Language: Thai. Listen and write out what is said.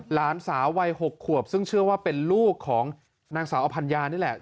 หลานสาววัย๖ขวบซึ่งเชื่อว่าเป็นลูกของนางสาวอภัญญานี่แหละ